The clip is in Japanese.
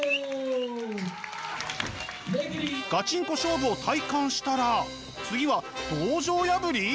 ガチンコ勝負を体感したら次は道場破り！？